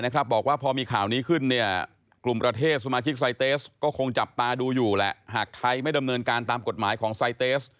ก็ต้องพิสูจน์ได้ก็ได้